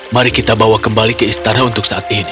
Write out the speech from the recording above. mari kita bawa kembali ke istana untuk saat ini